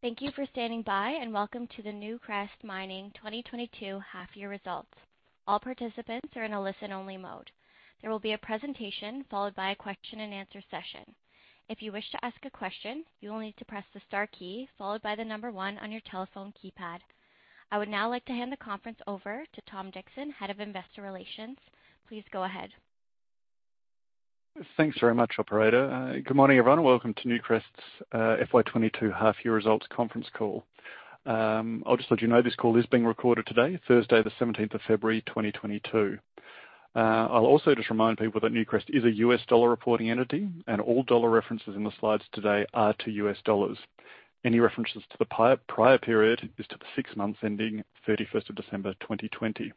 Thank you for standing by, and welcome to the Newcrest Mining 2022 half year results. All participants are in a listen only mode. There will be a presentation followed by a question and answer session. If you wish to ask a question, you will need to press the star key followed by the number 1 on your telephone keypad. I would now like to hand the conference over to Tom Dixon, Head of Investor Relations. Please go ahead. Thanks very much, operator. Good morning, everyone. Welcome to Newcrest's FY 2022 half year results conference call. I'll just let you know this call is being recorded today, Thursday, the 17th of February, 2022. I'll also just remind people that Newcrest is a US dollar reporting entity, and all dollar references in the slides today are to US dollars. Any references to the prior period is to the six months ending 31st of December, 2020.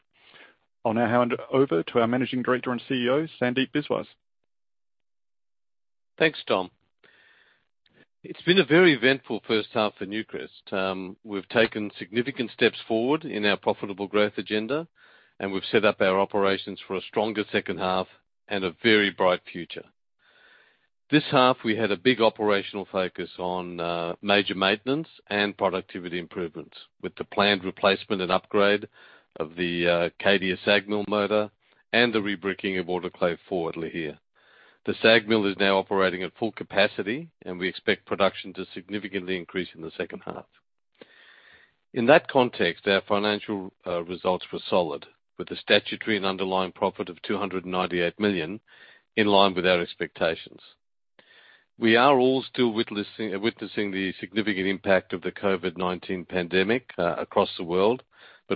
I'll now hand over to our Managing Director and CEO, Sandeep Biswas. Thanks, Tom. It's been a very eventful first half for Newcrest. We've taken significant steps forward in our profitable growth agenda, and we've set up our operations for a stronger second half and a very bright future. This half we had a big operational focus on major maintenance and productivity improvements with the planned replacement and upgrade of the Cadia SAG mill motor and the rebricking of Autoclave 4 at Lihir. The SAG mill is now operating at full capacity, and we expect production to significantly increase in the second half. In that context, our financial results were solid, with a statutory and underlying profit of 298 million, in line with our expectations. We are all still witnessing the significant impact of the COVID-19 pandemic across the world.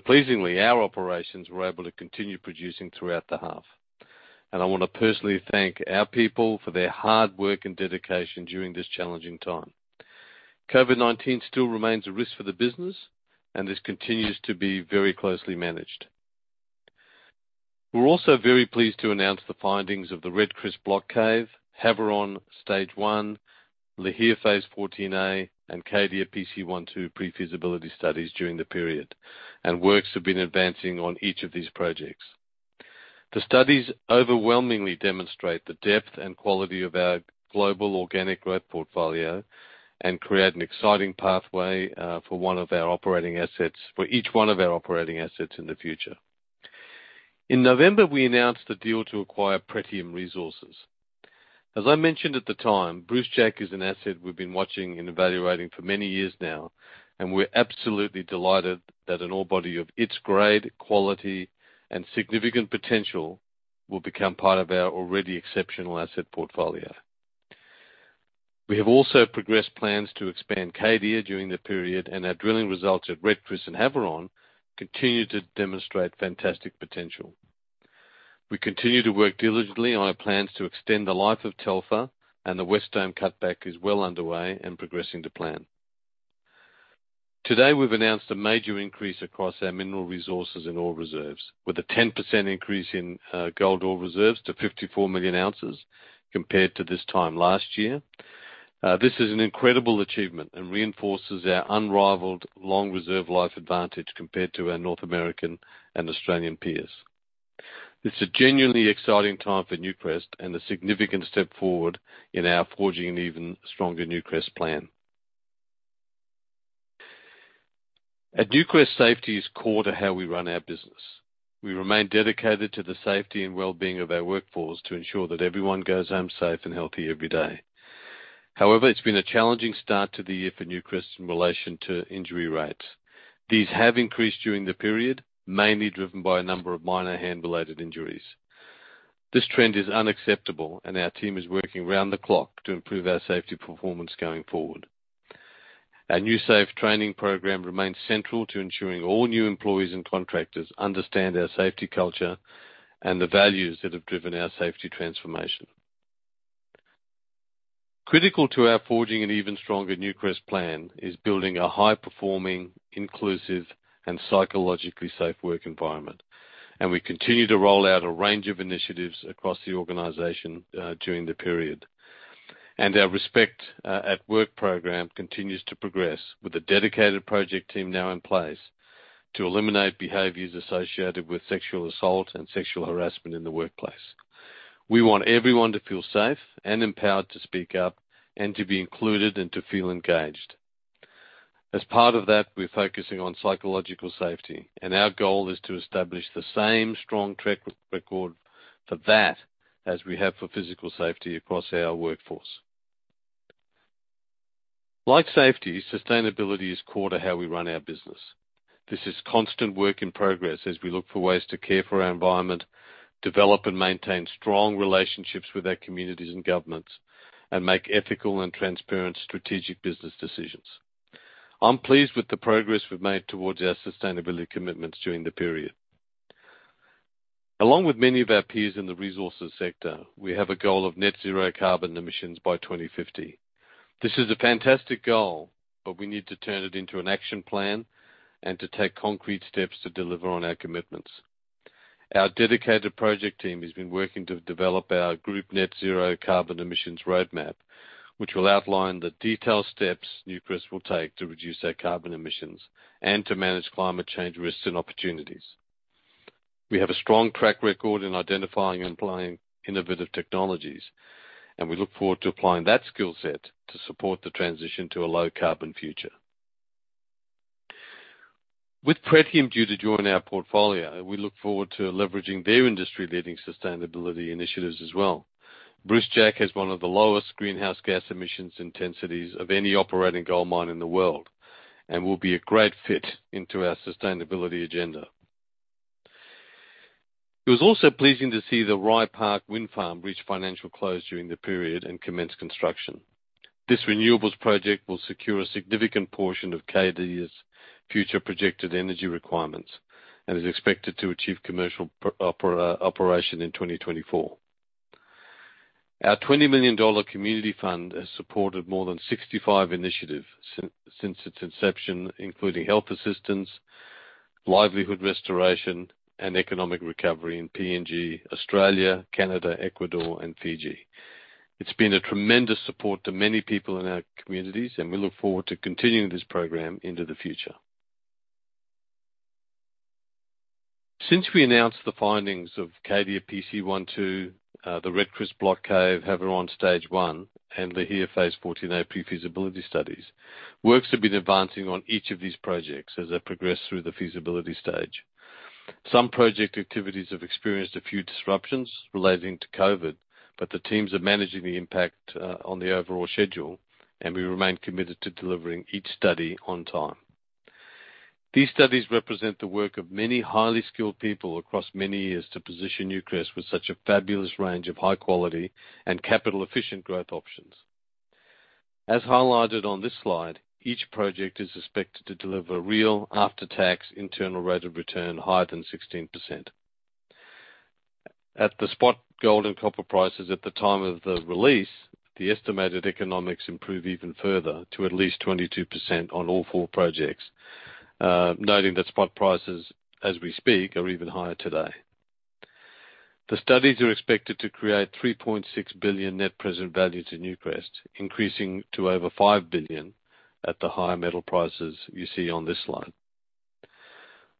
Pleasingly, our operations were able to continue producing throughout the half. I wanna personally thank our people for their hard work and dedication during this challenging time. COVID-19 still remains a risk for the business, and this continues to be very closely managed. We're also very pleased to announce the findings of the Red Chris Block Cave, Havieron Stage 1, Lihir Phase 14A, and Cadia PC1-2 Pre-Feasibility Studies during the period. Works have been advancing on each of these projects. The studies overwhelmingly demonstrate the depth and quality of our global organic growth portfolio and create an exciting pathway for each one of our operating assets in the future. In November, we announced a deal to acquire Pretium Resources. As I mentioned at the time, Brucejack is an asset we've been watching and evaluating for many years now, and we're absolutely delighted that an ore body of its grade, quality, and significant potential will become part of our already exceptional asset portfolio. We have also progressed plans to expand Cadia during the period, and our drilling results at Red Chris and Havieron continue to demonstrate fantastic potential. We continue to work diligently on our plans to extend the life of Telfer, and the West Dome cutback is well underway and progressing to plan. Today, we've announced a major increase across our mineral resources and ore reserves, with a 10% increase in gold ore reserves to 54 million ounces compared to this time last year. This is an incredible achievement and reinforces our unrivaled long reserve life advantage compared to our North American and Australian peers. It's a genuinely exciting time for Newcrest and a significant step forward in our Forging an Even Stronger Newcrest plan. At Newcrest, safety is core to how we run our business. We remain dedicated to the safety and well-being of our workforce to ensure that everyone goes home safe and healthy every day. However, it's been a challenging start to the year for Newcrest in relation to injury rates. These have increased during the period, mainly driven by a number of minor hand-related injuries. This trend is unacceptable, and our team is working around the clock to improve our safety performance going forward. Our NewSafe Training program remains central to ensuring all new employees and contractors understand our safety culture and the values that have driven our safety transformation. Critical to our Forging an Even Stronger Newcrest plan is building a high-performing, inclusive, and psychologically safe work environment. We continue to roll out a range of initiatives across the organization during the period. Our Respect at Work program continues to progress with a dedicated project team now in place to eliminate behaviors associated with sexual assault and sexual harassment in the workplace. We want everyone to feel safe and empowered to speak up and to be included and to feel engaged. As part of that, we're focusing on psychological safety, and our goal is to establish the same strong track record for that as we have for physical safety across our workforce. Like safety, sustainability is core to how we run our business. This is constant work in progress as we look for ways to care for our environment, develop and maintain strong relationships with our communities and governments, and make ethical and transparent strategic business decisions. I'm pleased with the progress we've made towards our sustainability commitments during the period. Along with many of our peers in the resources sector, we have a goal of net zero carbon emissions by 2050. This is a fantastic goal, but we need to turn it into an action plan and to take concrete steps to deliver on our commitments. Our dedicated project team has been working to develop our group net zero carbon emissions roadmap, which will outline the detailed steps Newcrest will take to reduce their carbon emissions and to manage climate change risks and opportunities. We have a strong track record in identifying and applying innovative technologies, and we look forward to applying that skill set to support the transition to a low carbon future. With Pretium due to join our portfolio, we look forward to leveraging their industry-leading sustainability initiatives as well. Brucejack has one of the lowest greenhouse gas emissions intensities of any operating gold mine in the world, and will be a great fit into our sustainability agenda. It was also pleasing to see the Rye Park Wind Farm reach financial close during the period and commence construction. This renewables project will secure a significant portion of Cadia's future projected energy requirements and is expected to achieve commercial operation in 2024. Our 20 million dollar community fund has supported more than 65 initiatives since its inception, including health assistance, livelihood restoration and economic recovery in PNG, Australia, Canada, Ecuador and Fiji. It's been a tremendous support to many people in our communities, and we look forward to continuing this program into the future. Since we announced the findings of Cadia PC1-2, the Red Chris Block Cave, Havieron stage 1, and Lihir Phase 14A feasibility studies, works have been advancing on each of these projects as they progress through the feasibility stage. Some project activities have experienced a few disruptions relating to COVID, but the teams are managing the impact on the overall schedule, and we remain committed to delivering each study on time. These studies represent the work of many highly skilled people across many years to position Newcrest with such a fabulous range of high quality and capital efficient growth options. As highlighted on this slide, each project is expected to deliver real after-tax internal rate of return higher than 16%. At the spot gold and copper prices at the time of the release, the estimated economics improve even further to at least 22% on all four projects. Noting that spot prices as we speak are even higher today. The studies are expected to create $3.6 billion net present value to Newcrest, increasing to over $5 billion at the higher metal prices you see on this slide.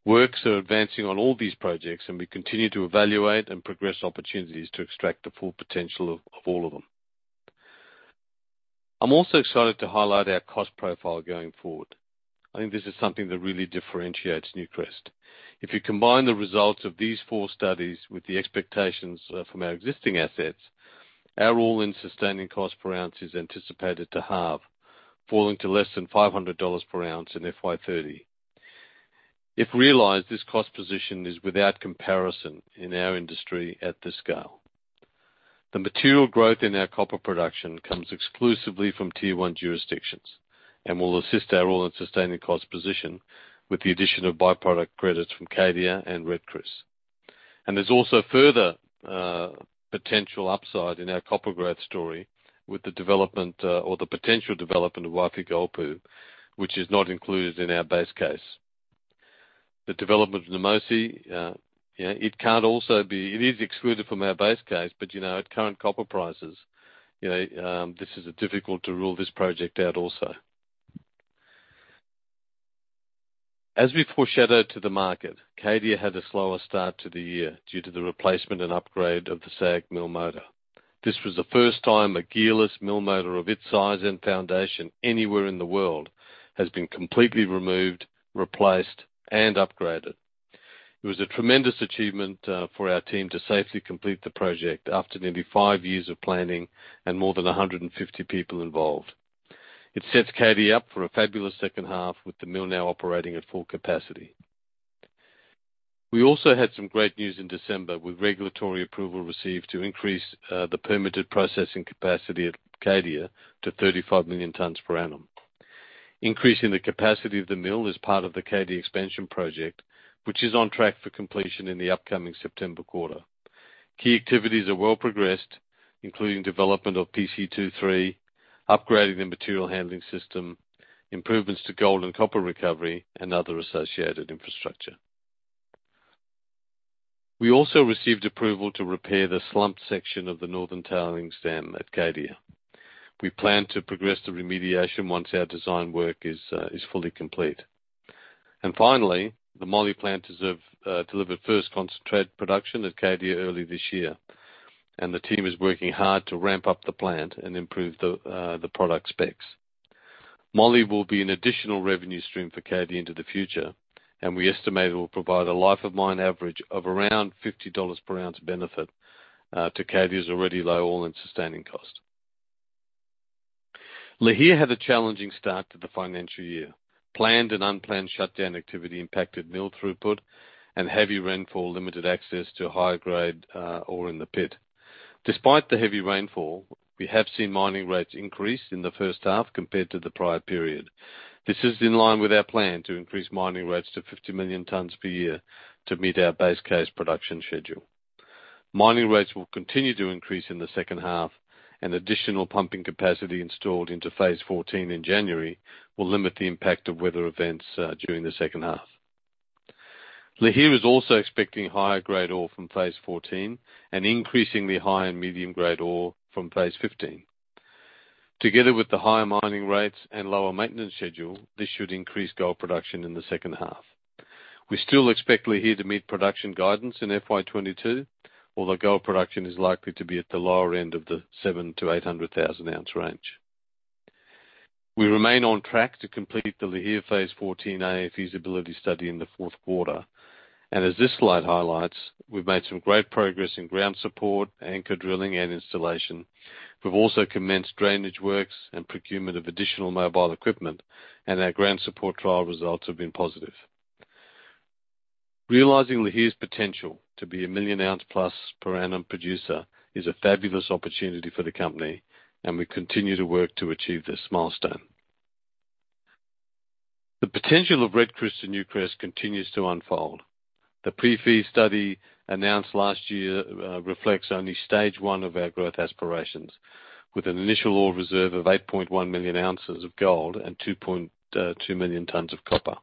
Works are advancing on all these projects, and we continue to evaluate and progress opportunities to extract the full potential of all of them. I'm also excited to highlight our cost profile going forward. I think this is something that really differentiates Newcrest. If you combine the results of these four studies with the expectations from our existing assets, our All-In Sustaining Cost per ounce is anticipated to halve, falling to less than $500 per ounce in FY 2030. If realized, this cost position is without comparison in our industry at this scale. The material growth in our copper production comes exclusively from Tier 1 jurisdictions and will assist our All-In Sustaining Cost position with the addition of by-product credits from Cadia and Red Chris. There's also further potential upside in our copper growth story with the development or the potential development of Wafi-Golpu, which is not included in our base case. The development of Namosi, you know, it is excluded from our base case, but you know, at current copper prices, you know, this is difficult to rule this project out also. As we foreshadowed to the market, Cadia had a slower start to the year due to the replacement and upgrade of the SAG mill's Gearless Mill Drive. This was the first time a Gearless Mill Drive of its size and foundation anywhere in the world has been completely removed, replaced and upgraded. It was a tremendous achievement for our team to safely complete the project after nearly five years of planning and more than 150 people involved. It sets Cadia up for a fabulous second half, with the mill now operating at full capacity. We also had some great news in December with regulatory approval received to increase the permitted processing capacity at Cadia to 35 million tons per annum. Increasing the capacity of the mill is part of the Cadia expansion project, which is on track for completion in the upcoming September quarter. Key activities are well progressed, including development of PC23, upgrading the material handling system, improvements to gold and copper recovery, and other associated infrastructure. We also received approval to repair the slumped section of the northern tailings dam at Cadia. We plan to progress the remediation once our design work is fully complete. Finally, the Moly Plant has delivered first concentrate production at Cadia early this year. The team is working hard to ramp up the plant and improve the product specs. Moly will be an additional revenue stream for Cadia into the future, and we estimate it will provide a life of mine average of around $50 per ounce benefit to Cadia's already low All-in Sustaining Cost. Lihir had a challenging start to the financial year. Planned and unplanned shutdown activity impacted mill throughput and heavy rainfall limited access to higher grade ore in the pit. Despite the heavy rainfall, we have seen mining rates increase in the first half compared to the prior period. This is in line with our plan to increase mining rates to 50 million tons per year to meet our base case production schedule. Mining rates will continue to increase in the second half, and additional pumping capacity installed into Phase 14 in January will limit the impact of weather events during the second half. Lihir is also expecting higher-grade ore from Phase 14 and increasingly high- and medium-grade ore from Phase 15. Together with the higher mining rates and lower maintenance schedule, this should increase gold production in the second half. We still expect Lihir to meet production guidance in FY 2022, although gold production is likely to be at the lower end of the 700,000-800,000 ounce range. We remain on track to complete the Lihir Phase 14A feasibility study in the fourth quarter, and as this slide highlights, we've made some great progress in ground support, anchor drilling, and installation. We've also commenced drainage works and procurement of additional mobile equipment, and our ground support trial results have been positive. Realizing Lihir's potential to be a million ounce-plus per annum producer is a fabulous opportunity for the company, and we continue to work to achieve this milestone. The potential of Red Chris to Newcrest continues to unfold. The Pre-Feasibility Study announced last year reflects only stage 1 of our growth aspirations, with an initial ore reserve of 8.1 million ounces of gold and 2.2 million tons of copper.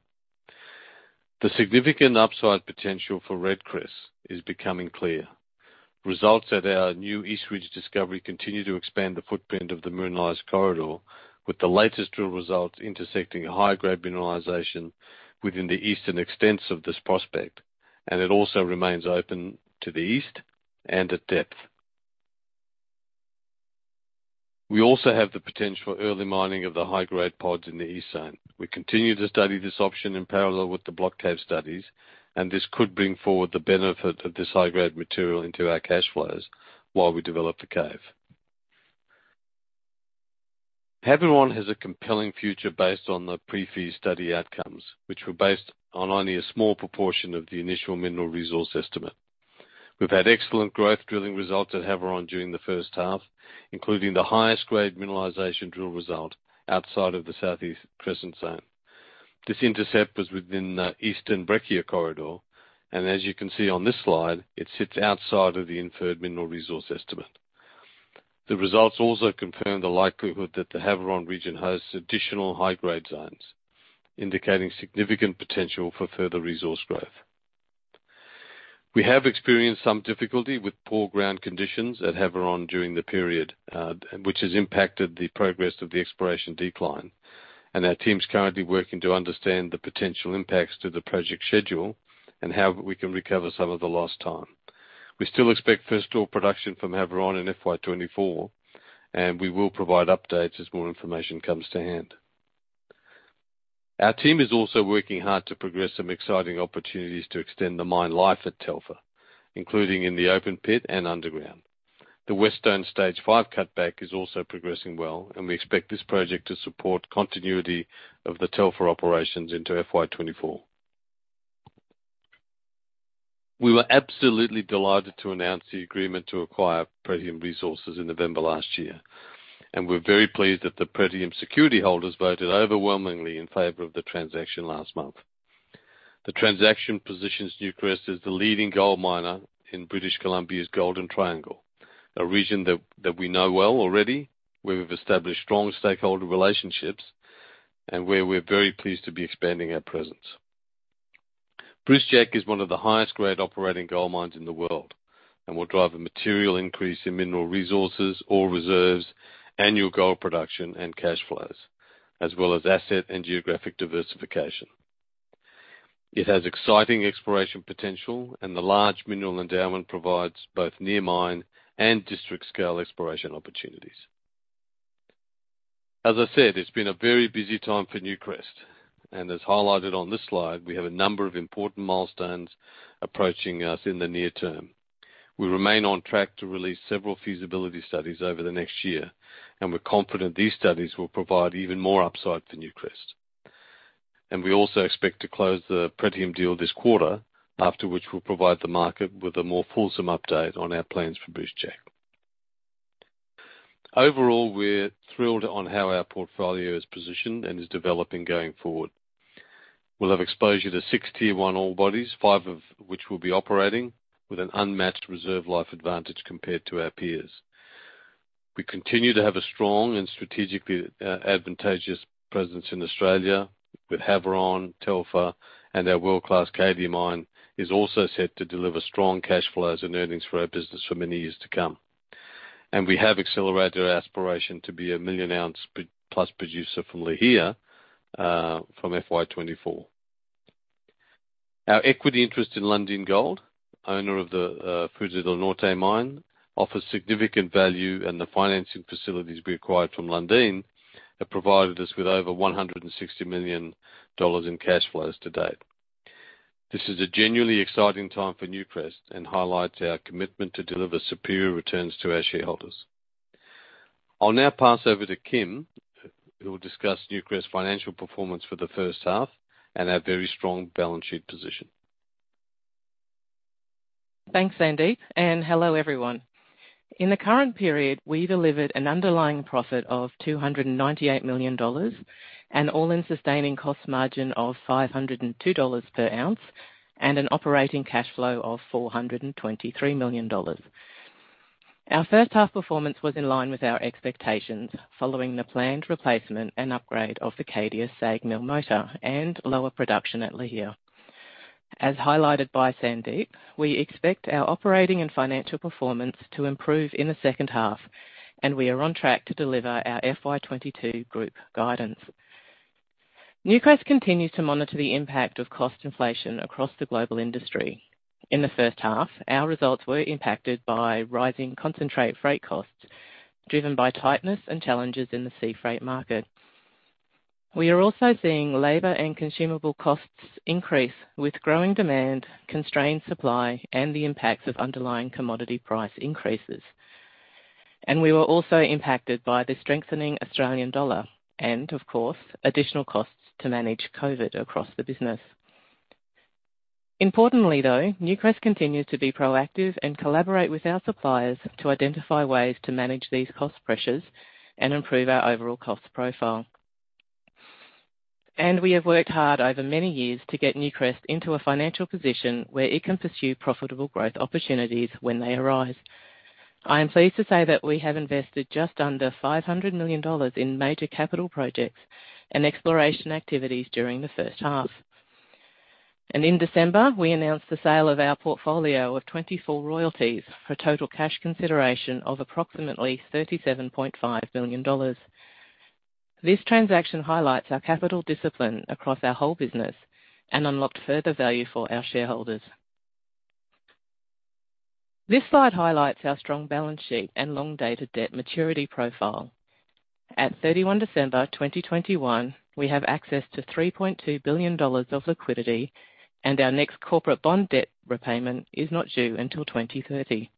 The significant upside potential for Red Chris is becoming clear. Results at our new East Ridge discovery continue to expand the footprint of the mineralized corridor, with the latest drill results intersecting a high-grade mineralization within the eastern extents of this prospect, and it also remains open to the east and at depth. We also have the potential early mining of the high-grade pods in the East Zone. We continue to study this option in parallel with the block cave studies, and this could bring forward the benefit of this high-grade material into our cash flows while we develop the cave. Havieron has a compelling future based on the Pre-Feasibility Study outcomes, which were based on only a small proportion of the initial mineral resource estimate. We've had excellent growth drilling results at Havieron during the first half, including the highest grade mineralization drill result outside of the Southeast Crescent zone. This intercept was within the Eastern Breccia Corridor, and as you can see on this slide, it sits outside of the inferred mineral resource estimate. The results also confirm the likelihood that the Havieron region hosts additional high-grade zones, indicating significant potential for further resource growth. We have experienced some difficulty with poor ground conditions at Havieron during the period, which has impacted the progress of the exploration decline. Our team's currently working to understand the potential impacts to the project schedule and how we can recover some of the lost time. We still expect first ore production from Havieron in FY 2024, and we will provide updates as more information comes to hand. Our team is also working hard to progress some exciting opportunities to extend the mine life at Telfer, including in the open pit and underground. The West Dome Stage 5 cutback is also progressing well, and we expect this project to support continuity of the Telfer operations into FY 2024. We were absolutely delighted to announce the agreement to acquire Pretium Resources in November last year, and we're very pleased that the Pretium security holders voted overwhelmingly in favor of the transaction last month. The transaction positions Newcrest as the leading gold miner in British Columbia's Golden Triangle, a region that we know well already, where we've established strong stakeholder relationships, and where we're very pleased to be expanding our presence. Brucejack is one of the highest grade operating gold mines in the world and will drive a material increase in mineral resources, ore reserves, annual gold production, and cash flows, as well as asset and geographic diversification. It has exciting exploration potential, and the large mineral endowment provides both near mine and district scale exploration opportunities. As I said, it's been a very busy time for Newcrest, and as highlighted on this slide, we have a number of important milestones approaching us in the near term. We remain on track to release several feasibility studies over the next year, and we're confident these studies will provide even more upside for Newcrest. We also expect to close the Pretium deal this quarter, after which we'll provide the market with a more fulsome update on our plans for Brucejack. Overall, we're thrilled on how our portfolio is positioned and is developing going forward. We'll have exposure to six tier one ore bodies, five of which will be operating with an unmatched reserve life advantage compared to our peers. We continue to have a strong and strategically advantageous presence in Australia with Havieron, Telfer, and our world-class Cadia mine is also set to deliver strong cash flows and earnings for our business for many years to come. We have accelerated our aspiration to be a million-ounce p-plus producer from Lihir from FY 2024. Our equity interest in Lundin Gold, owner of the Fruta del Norte mine, offers significant value, and the financing facilities we acquired from Lundin have provided us with over $160 million in cash flows to date. This is a genuinely exciting time for Newcrest and highlights our commitment to deliver superior returns to our shareholders. I'll now pass over to Kim, who will discuss Newcrest's financial performance for the first half and our very strong balance sheet position. Thanks, Sandeep, and hello, everyone. In the current period, we delivered an underlying profit of $298 million and all-in sustaining cost margin of $502 per ounce, and an operating cash flow of $423 million. Our first half performance was in line with our expectations following the planned replacement and upgrade of the Cadia SAG mill motor and lower production at Lihir. As highlighted by Sandeep, we expect our operating and financial performance to improve in the second half, and we are on track to deliver our FY 2022 group guidance. Newcrest continues to monitor the impact of cost inflation across the global industry. In the first half, our results were impacted by rising concentrate freight costs, driven by tightness and challenges in the sea freight market. We are also seeing labor and consumable costs increase with growing demand, constrained supply, and the impacts of underlying commodity price increases. We were also impacted by the strengthening Australian dollar and of course, additional costs to manage COVID across the business. Importantly, though, Newcrest continues to be proactive and collaborate with our suppliers to identify ways to manage these cost pressures and improve our overall cost profile. We have worked hard over many years to get Newcrest into a financial position where it can pursue profitable growth opportunities when they arise. I am pleased to say that we have invested just under 500 million dollars in major capital projects and exploration activities during the first half. In December, we announced the sale of our portfolio of 24 royalties for a total cash consideration of approximately 37.5 million dollars. This transaction highlights our capital discipline across our whole business and unlocked further value for our shareholders. This slide highlights our strong balance sheet and long dated debt maturity profile. At 31 December 2021, we have access to $3.2 billion of liquidity, and our next corporate bond debt repayment is not due until 2030.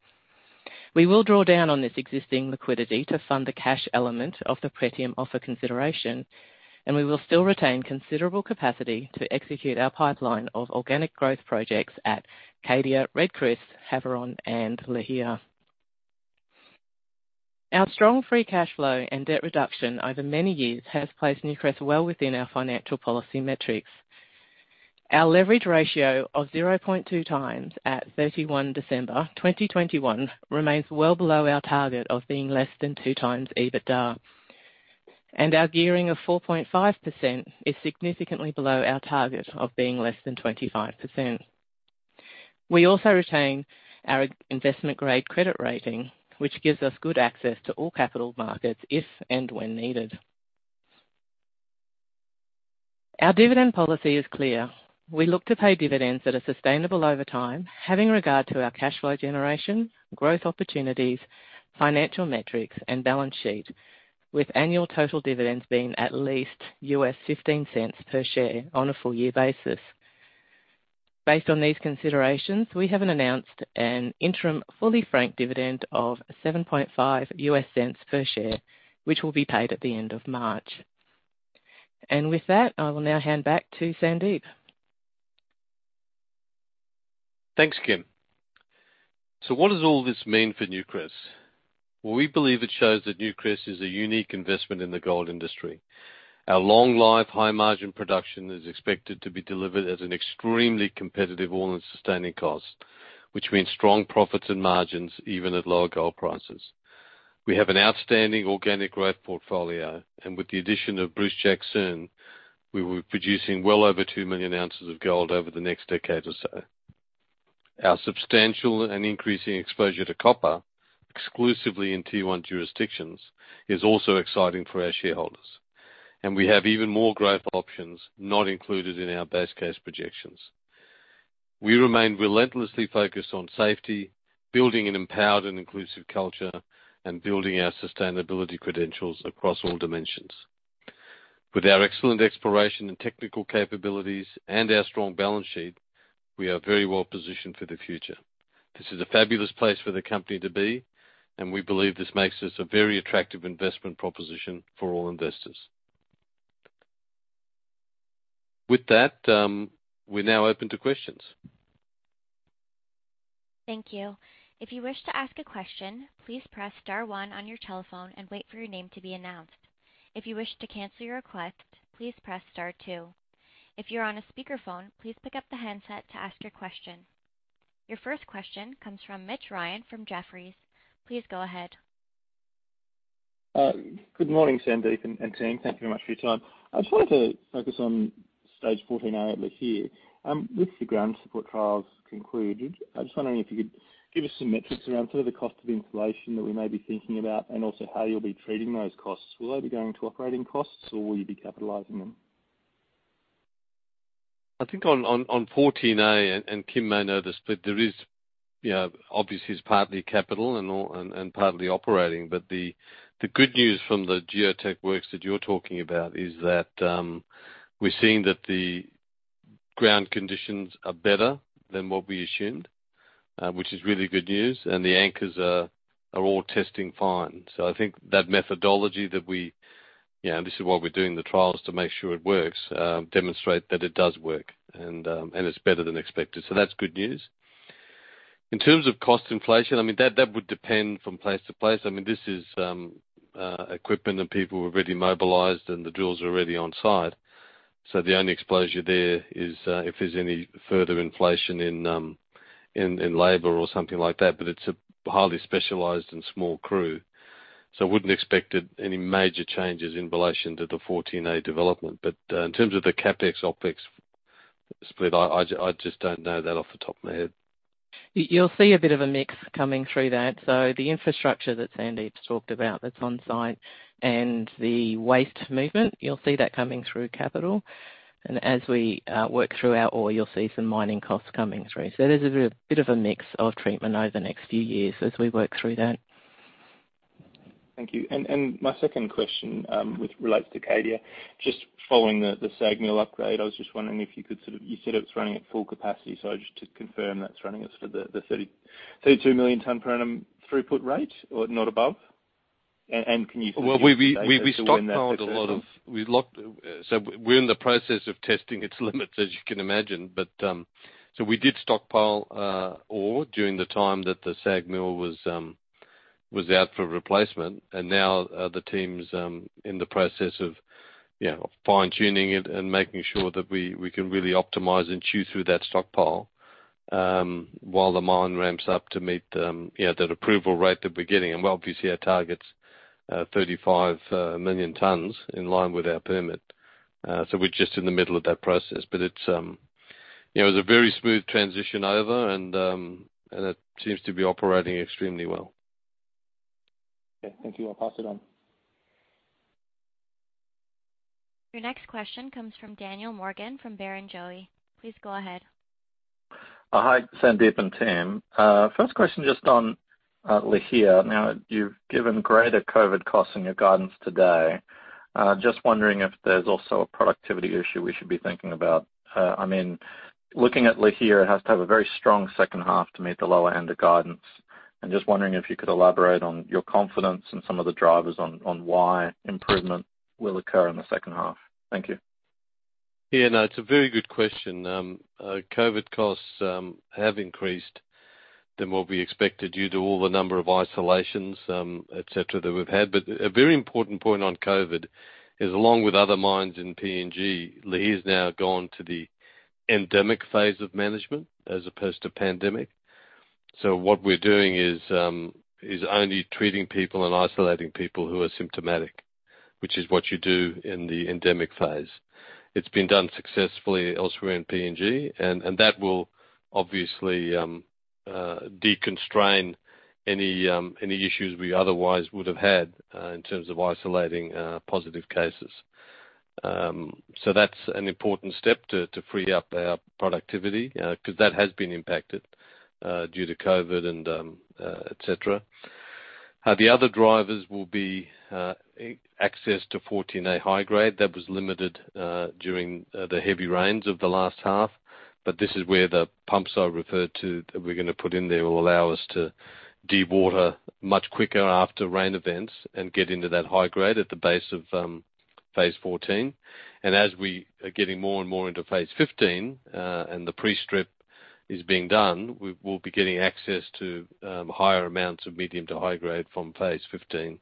We will draw down on this existing liquidity to fund the cash element of the Pretium offer consideration, and we will still retain considerable capacity to execute our pipeline of organic growth projects at Cadia, Red Chris, Havieron, and Lihir. Our strong free cash flow and debt reduction over many years has placed Newcrest well within our financial policy metrics. Our leverage ratio of 0.2 times at 31 December 2021 remains well below our target of being less than 2 times EBITDA. Our gearing of 4.5% is significantly below our target of being less than 25%. We also retain our investment grade credit rating, which gives us good access to all capital markets if and when needed. Our dividend policy is clear. We look to pay dividends that are sustainable over time, having regard to our cash flow generation, growth opportunities, financial metrics and balance sheet, with annual total dividends being at least $0.15 per share on a full year basis. Based on these considerations, we have announced an interim fully franked dividend of $0.075 per share, which will be paid at the end of March. With that, I will now hand back to Sandeep. Thanks, Kim. What does all this mean for Newcrest? Well, we believe it shows that Newcrest is a unique investment in the gold industry. Our long life, high margin production is expected to be delivered at an extremely competitive All-In Sustaining Cost, which means strong profits and margins even at lower gold prices. We have an outstanding organic growth portfolio. With the addition of Brucejack, we will be producing well over 2 million ounces of gold over the next decade or so. Our substantial and increasing exposure to copper exclusively in tier one jurisdictions is also exciting for our shareholders, and we have even more growth options not included in our base case projections. We remain relentlessly focused on safety, building an empowered and inclusive culture, and building our sustainability credentials across all dimensions. With our excellent exploration and technical capabilities and our strong balance sheet, we are very well positioned for the future. This is a fabulous place for the company to be, and we believe this makes us a very attractive investment proposition for all investors. With that, we're now open to questions. Thank you. If you wish to ask a question, please press star one on your telephone and wait for your name to be announced. If you wish to cancel your request, please press star two. If you're on a speakerphone, please pick up the handset to ask your question. Your first question comes from Mitch Ryan from Jefferies. Please go ahead. Good morning, Sandeep and team. Thank you very much for your time. I just wanted to focus on stage fourteen over here. With the ground support trials concluded, I was just wondering if you could give us some metrics around some of the cost of inflation that we may be thinking about, and also how you'll be treating those costs. Will they be going to operating costs or will you be capitalizing them? I think on Phase 14A, and Kim may know this, but there is, you know, obviously it's partly capital and partly operating. The good news from the geotech works that you're talking about is that we're seeing that the ground conditions are better than what we assumed, which is really good news. The anchors are all testing fine. I think that methodology that we, you know, this is why we're doing the trials to make sure it works, demonstrate that it does work and it's better than expected. That's good news. In terms of cost inflation, I mean, that would depend from place to place. I mean, this is equipment and people who are already mobilized and the drills are already on site. The only exposure there is, if there's any further inflation in labor or something like that, but it's a highly specialized and small crew. Wouldn't expect any major changes in relation to the 14A development. In terms of the CapEx OpEx split, I just don't know that off the top of my head. You'll see a bit of a mix coming through that. The infrastructure that Sandeep's talked about that's on site and the waste movement, you'll see that coming through capital. As we work through our ore, you'll see some mining costs coming through. There's a bit of a mix of treatment over the next few years as we work through that. Thank you. My second question, which relates to Cadia, just following the SAG mill upgrade, I was just wondering if you could sort of. You said it was running at full capacity, so just to confirm that's running at sort of the 32 million tons per annum throughput rate or not above? Can you sort of give when that's expected of? Well, we've stockpiled a lot of. We're in the process of testing its limits, as you can imagine. We did stockpile ore during the time that the SAG mill was out for replacement. Now, the team's in the process of you know, fine-tuning it and making sure that we can really optimize and chew through that stockpile while the mine ramps up to meet you know, That approval rate that we're getting. Obviously, our target's 35 million tons in line with our permit. We're just in the middle of that process. It was a very smooth transition over, and it seems to be operating extremely well. Okay, thank you. I'll pass it on. Your next question comes from Daniel Morgan, from Barrenjoey. Please go ahead. Hi, Sandeep and team. First question just on Lihir. Now, you've given greater COVID costs in your guidance today. Just wondering if there's also a productivity issue we should be thinking about. I mean, looking at Lihir, it has to have a very strong second half to meet the lower end of guidance. I'm just wondering if you could elaborate on your confidence and some of the drivers on why improvement will occur in the second half. Thank you. Yeah, no, it's a very good question. COVID costs have increased than what we expected due to all the number of isolations, et cetera, that we've had. A very important point on COVID is along with other mines in PNG, Lihir's now gone to the endemic phase of management as opposed to pandemic. What we're doing is only treating people and isolating people who are symptomatic, which is what you do in the endemic phase. It's been done successfully elsewhere in PNG, and that will obviously deconstrain any issues we otherwise would have had in terms of isolating positive cases. That's an important step to free up our productivity, 'cause that has been impacted due to COVID and et cetera. The other drivers will be access to 14A high grade. That was limited during the heavy rains of the last half. This is where the pumps I referred to, that we're gonna put in there, will allow us to dewater much quicker after rain events and get into that high grade at the base of Phase 14. As we are getting more and more into Phase 15, and the pre-strip is being done, we will be getting access to higher amounts of medium to high grade from Phase 15.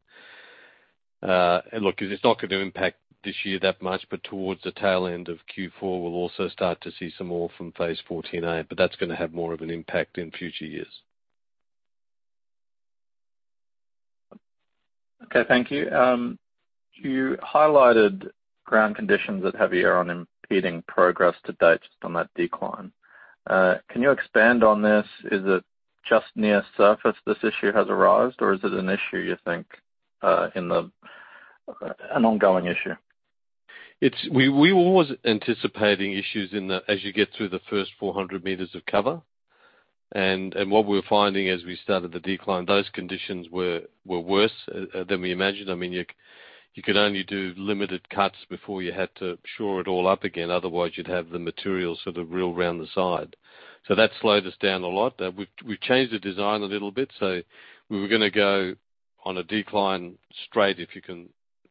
Look, it's not gonna impact this year that much, but towards the tail end of Q4, we'll also start to see some more from Phase 14A, but that's gonna have more of an impact in future years. Okay, thank you. You highlighted ground conditions at Havieron impeding progress to date just on that decline. Can you expand on this? Is it just near surface this issue has arisen, or is it an issue you think an ongoing issue? We were always anticipating issues, as you get through the first 400 meters of cover. What we're finding as we started the decline, those conditions were worse than we imagined. I mean, you could only do limited cuts before you had to shore it all up again. Otherwise you'd have the material sort of rubble around the side. That slowed us down a lot. We've changed the design a little bit. We were gonna go on a decline straight, you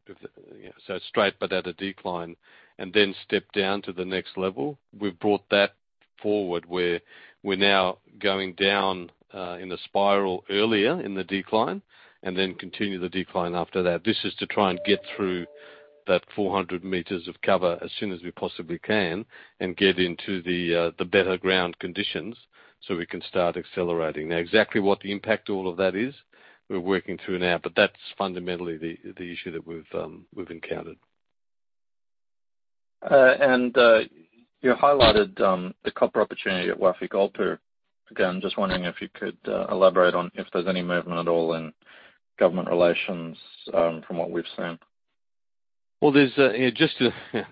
know, straight, but at a decline, and then step down to the next level. We've brought that forward, where we're now going down in a spiral earlier in the decline and then continue the decline after that. This is to try and get through that 400 meters of cover as soon as we possibly can and get into the better ground conditions so we can start accelerating. Now, exactly what the impact all of that is, we're working through now, but that's fundamentally the issue that we've encountered. You highlighted the copper opportunity at Wafi-Golpu. Again, just wondering if you could elaborate on if there's any movement at all in government relations from what we've seen. Well, there's just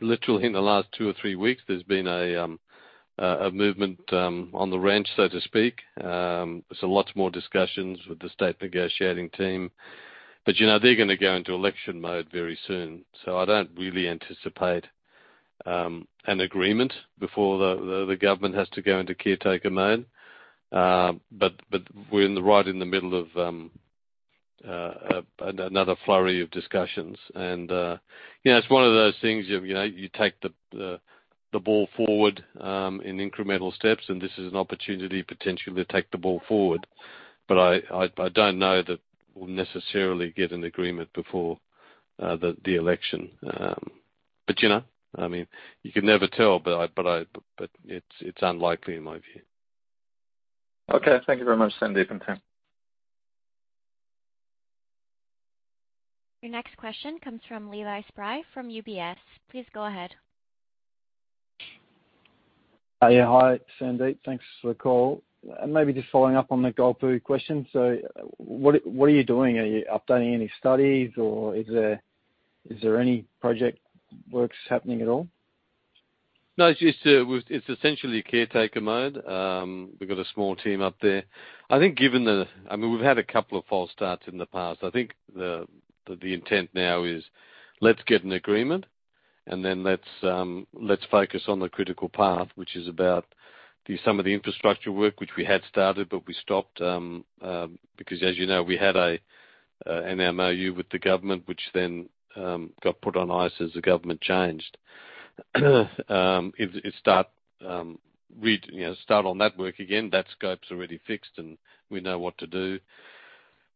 literally in the last two or three weeks, there's been a movement on the ranch, so to speak. Lots more discussions with the state negotiating team. You know, they're gonna go into election mode very soon, so I don't really anticipate an agreement before the government has to go into caretaker mode. We're right in the middle of another flurry of discussions. You know, it's one of those things you know you take the ball forward in incremental steps, and this is an opportunity potentially to take the ball forward. I don't know that we'll necessarily get an agreement before the election. You know, I mean, you can never tell, but it's unlikely in my view. Okay. Thank you very much, Sandeep and Tom. Your next question comes from Levi Spry from UBS. Please go ahead. Yeah, hi, Sandeep. Thanks for the call. Maybe just following up on the Golpu question. What are you doing? Are you updating any studies, or is there any project works happening at all? No, it's essentially a caretaker mode. We've got a small team up there. I think, I mean, we've had a couple of false starts in the past. I think the intent now is let's get an agreement and then let's focus on the critical path, which is about some of the infrastructure work, which we had started, but we stopped because as you know, we had an MOU with the government, Which then got put on ice as the government changed. We, you know, start on that work again. That scope's already fixed and we know what to do,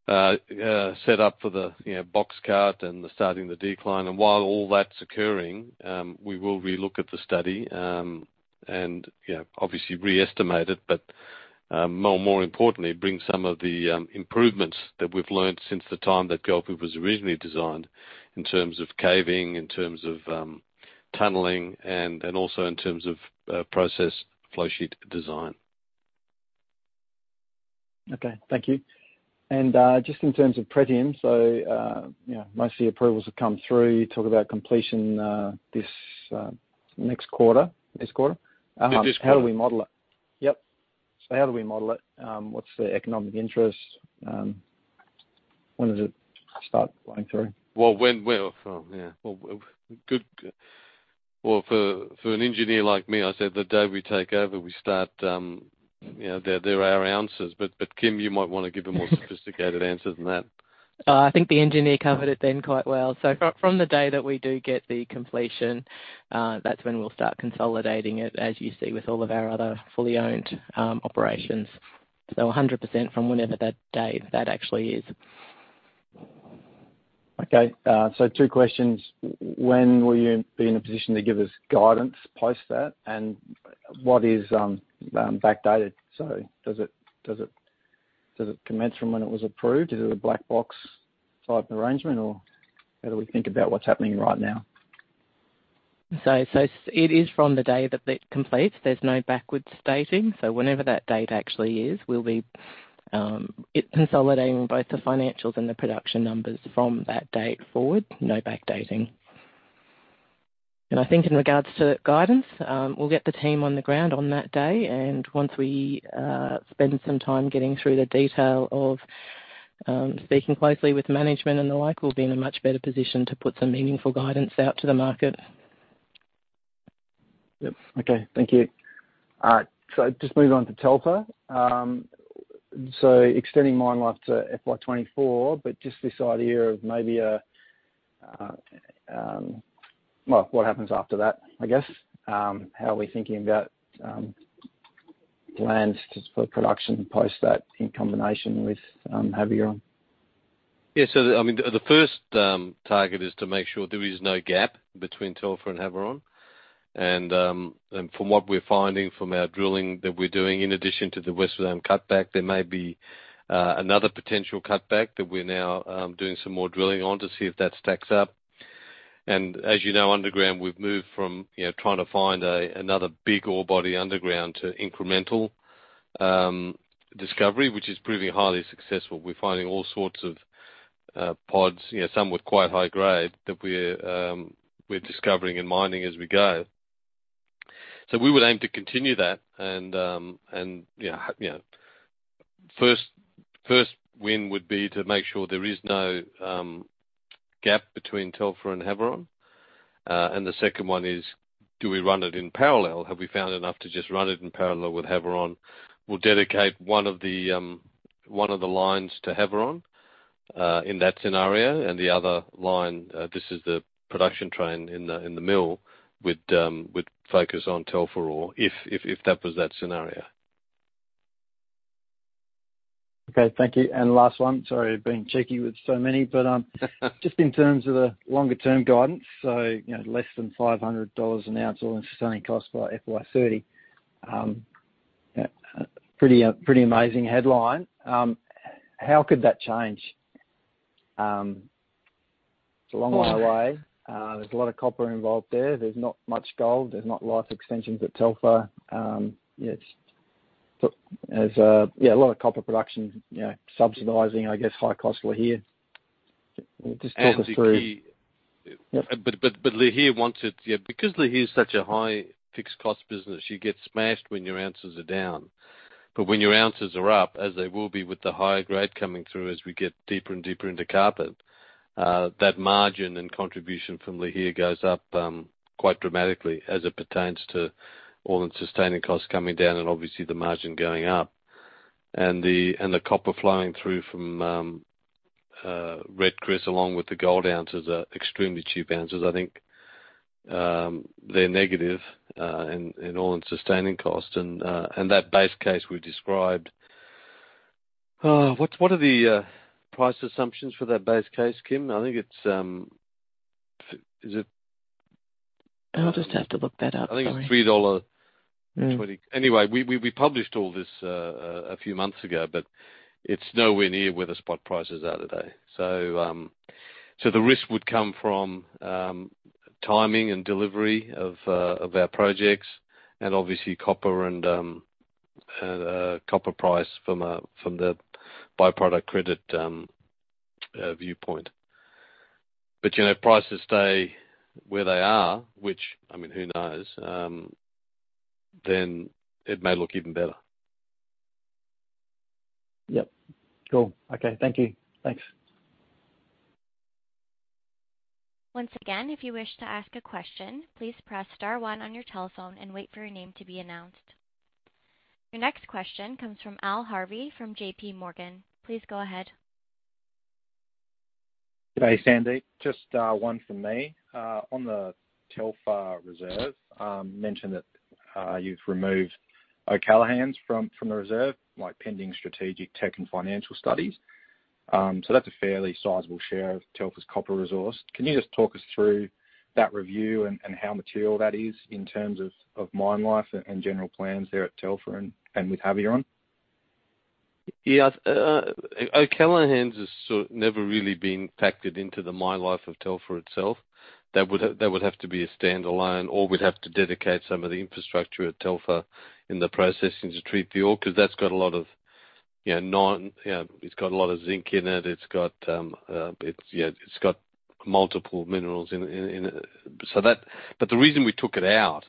set up for the, you know, box cut and starting the decline. While all that's occurring, we will re-look at the study, and, you know, obviously re-estimate it. More importantly, bring some of the improvements that we've learned since the time that Golpu was originally designed in terms of caving, in terms of tunneling, and also in terms of process flow sheet design. Okay, thank you. Just in terms of Pretium, so you know, most of the approvals have come through. You talk about completion, this next quarter, this quarter. This quarter. How do we model it? Yep. How do we model it? What's the economic interest? When does it start flowing through? Well, for an engineer like me, I say the day we take over, we start, you know, they're our answers. Kim, you might wanna give a more sophisticated answer than that. I think the engineer covered it then quite well. From the day that we do get the completion, that's when we'll start consolidating it, as you see with all of our other fully owned operations. 100% from whenever that day actually is. Okay. Two questions. When will you be in a position to give us guidance post that? And what is backdated? Does it commence from when it was approved? Is it a black box type arrangement, or how do we think about what's happening right now? It is from the day that it completes. There's no backwards dating. Whenever that date actually is, we'll be consolidating both the financials and the production numbers from that date forward, no backdating. I think in regards to guidance, we'll get the team on the ground on that day, and once we spend some time getting through the detail of speaking closely with management and the like, we'll be in a much better position to put some meaningful guidance out to the market. Yep. Okay. Thank you. All right, just moving on to Telfer. Extending mine life to FY 2024, but just this idea of maybe. Well, what happens after that, I guess. How are we thinking about plans to support production post that in combination with Havieron? Yeah. I mean the first target is to make sure there is no gap between Telfer and Havieron. From what we're finding from our drilling that we're doing, in addition to the West Dome cutback, there may be another potential cutback that we're now doing some more drilling on to see if that stacks up. As you know, underground, we've moved from you know, trying to find another big ore body underground to incremental discovery, which is proving highly successful. We're finding all sorts of pods, you know, some with quite high grade that we're discovering and mining as we go. We would aim to continue that and yeah, you know. First win would be to make sure there is no gap between Telfer and Havieron. The second one is, do we run it in parallel? Have we found enough to just run it in parallel with Havieron? We'll dedicate one of the lines to Havieron in that scenario. The other line, this is the production train in the mill with focus on Telfer ore if that was that scenario. Okay. Thank you. Last one. Sorry, being cheeky with so many, but just in terms of the longer term guidance, you know, less than $500 an ounce All-In Sustaining Cost by FY 2030. Pretty amazing headline. How could that change? It's a long way away. Well- There's a lot of copper involved there. There's not much gold. There's not life extensions at Telfer. It's a lot of copper production, you know, subsidizing, I guess, high cost Lihir. Just talk us through- And the key- Yep. Lihir wants it. Yeah. Because Lihir is such a high fixed cost business, you get smashed when your ounces are down. When your ounces are up, as they will be with the higher grade coming through as we get deeper and deeper into carpet, that margin and contribution from Lihir goes up quite dramatically as it pertains to all-in sustaining costs coming down and obviously the margin going up. The copper flowing through from Red Chris along with the gold ounces are extremely cheap ounces. I think they're negative in all-in sustaining cost. That base case we've described. What's, what are the price assumptions for that base case, Kim? I think it's. Is it- I'll just have to look that up. Sorry. I think it's $3.20. Anyway, we published all this a few months ago, but it's nowhere near where the spot prices are today. The risk would come from timing and delivery of our projects and obviously copper and copper price from the by-product credit viewpoint. If prices stay where they are, which I mean, who knows, then it may look even better. Yep. Cool. Okay. Thank you. Thanks. Once again, if you wish to ask a question, please press star one on your telephone and wait for your name to be announced. Your next question comes from Al Harvey from J.P. Morgan. Please go ahead. Good day, Sandeep. Just one from me. On the Telfer Reserve, you mentioned that you've removed O'Callaghan's from the reserve, like, pending strategic tech and financial studies. So that's a fairly sizable share of Telfer's copper resource. Can you just talk us through that review and how material that is in terms of mine life and general plans there at Telfer and with Havieron? O'Callaghan's has sort of never really been factored into the mine life of Telfer itself. That would have to be a standalone, or we'd have to dedicate some of the infrastructure at Telfer in the processing to treat the ore because that's got a lot of, you know, zinc in it. It's got, you know, multiple minerals in it. But the reason we took it out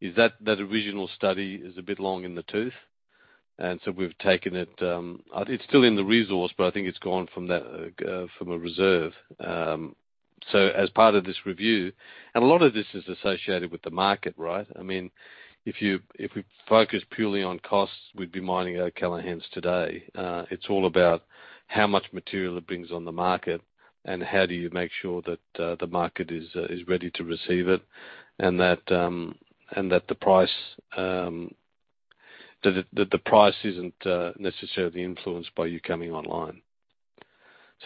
is that that original study is a bit long in the tooth, and so we've taken it. It's still in the resource, but I think it's gone from a reserve. As part of this review, and a lot of this is associated with the market, right? I mean, if we focus purely on costs, we'd be mining O'Callaghan's today. It's all about how much material it brings on the market, and how do you make sure that the market is ready to receive it, and that the price isn't necessarily influenced by you coming online.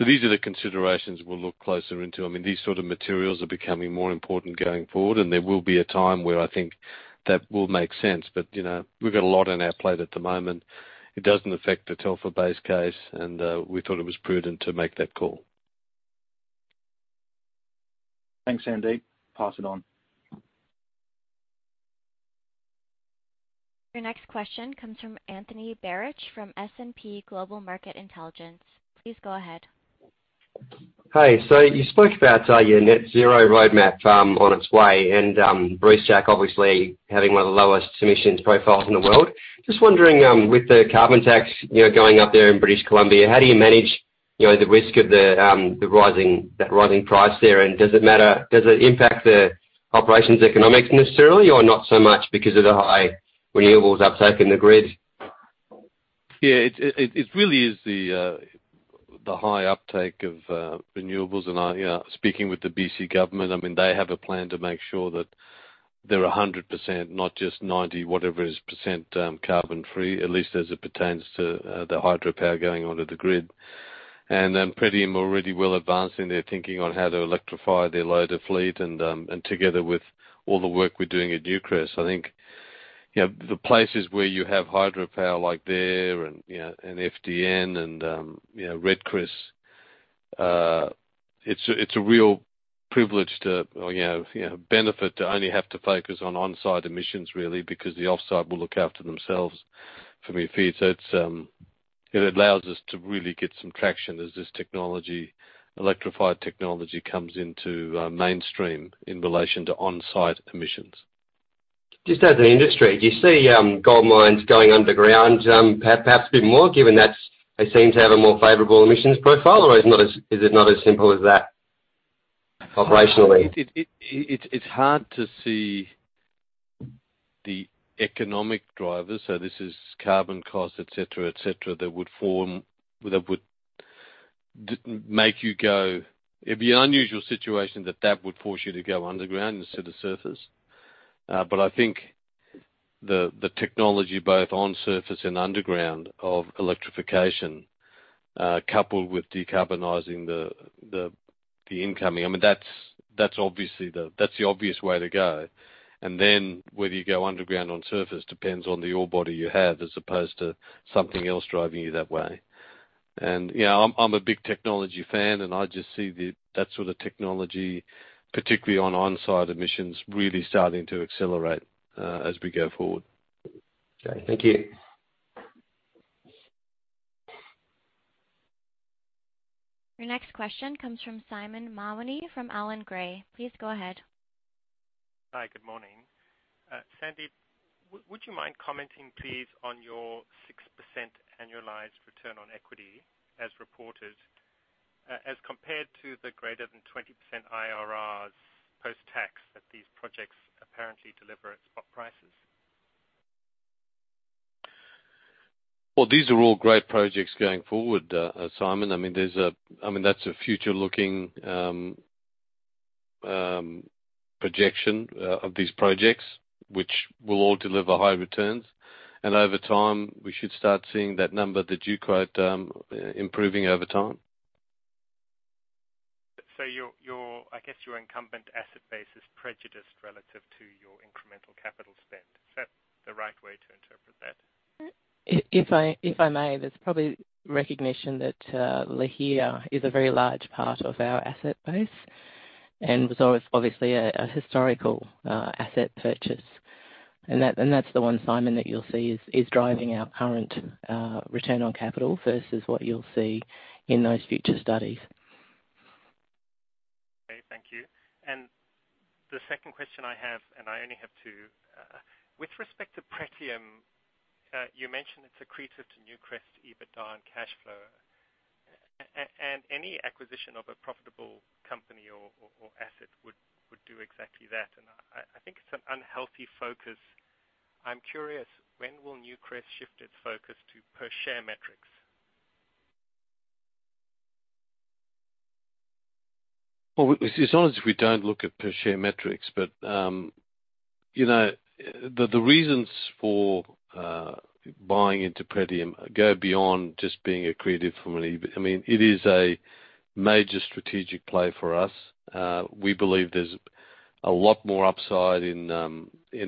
These are the considerations we'll look closer into. I mean, these sort of materials are becoming more important going forward, and there will be a time where I think that will make sense. You know, we've got a lot on our plate at the moment. It doesn't affect the Telfer base case, and we thought it was prudent to make that call. Thanks, Sandeep. Pass it on. Your next question comes from Anthony Barich from S&P Global Market Intelligence. Please go ahead. Hi. You spoke about your net zero roadmap on its way, and Brucejack obviously having one of the lowest emissions profiles in the world. Just wondering, with the carbon tax, you know, going up there in British Columbia, how do you manage, you know, the risk of the rising price there? And does it impact the operations economics necessarily, or not so much because of the high renewables uptake in the grid? Yeah. It really is the high uptake of renewables. You know, speaking with the B.C. government, I mean, they have a plan to make sure that they're 100%, not just 90 whatever it is percent, carbon free, at least as it pertains to the hydropower going onto the grid. Pretium are already well advanced in their thinking on how to electrify their loader fleet and together with all the work we're doing at Newcrest, I think you know, the places where you have hydropower like there and FDN and Red Chris, it's a real privilege to you know, benefit to only have to focus on on-site emissions really because the off-site will look after themselves from a feed. It allows us to really get some traction as this technology, electrified technology comes into mainstream in relation to on-site emissions. Just as an industry, do you see gold mines going underground, perhaps a bit more given that they seem to have a more favorable emissions profile, or is it not as simple as that operationally? It's hard to see the economic drivers, so this is carbon costs, et cetera, et cetera, that would make you go. It'd be an unusual situation that would force you to go underground instead of surface. But I think the technology both on surface and underground of electrification, coupled with decarbonizing the incoming, I mean, that's obviously the obvious way to go. Then whether you go underground or surface depends on the ore body you have as opposed to something else driving you that way. You know, I'm a big technology fan, and I just see that sort of technology, particularly on-site emissions, really starting to accelerate as we go forward. Okay, thank you. Your next question comes from Simon Mawhinney from Allan Gray. Please go ahead. Hi. Good morning. Sandeep, would you mind commenting, please, on your 6% annualized return on equity as reported, as compared to the greater than 20% IRRs post-tax that these projects apparently deliver at spot prices? Well, these are all great projects going forward, Simon. I mean, that's a future-looking projection of these projects, which will all deliver high returns. Over time, we should start seeing that number that you quote improving over time. I guess your incumbent asset base is prejudiced relative to your incremental capital spend. Is that the right way to interpret that? If I may, there's probably recognition that Lihir is a very large part of our asset base, and was always obviously a historical asset purchase. That's the one, Simon, that you'll see is driving our current return on capital versus what you'll see in those future studies. Okay. Thank you. The second question I have, and I only have two. With respect to Pretium, you mentioned it's accretive to Newcrest EBITDA and cash flow. And any acquisition of a profitable company or asset would do exactly that. I think it's an unhealthy focus. I'm curious, when will Newcrest shift its focus to per share metrics? Well, it's not as if we don't look at per share metrics. You know, the reasons for buying into Pretium go beyond just being accretive. I mean, it is a major strategic play for us. We believe there's a lot more upside in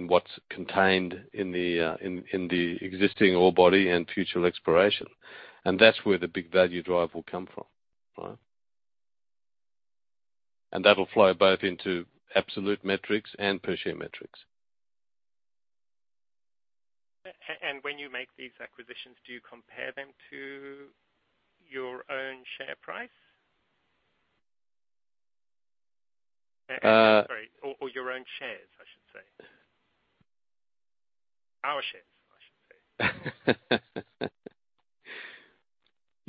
what's contained in the existing ore body and future exploration. That'll flow both into absolute metrics and per share metrics. When you make these acquisitions, do you compare them to your own share price? Uh- Sorry, or your own shares, I should say. Our shares, I should say.